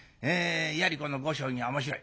やはりこの碁将棋は面白い。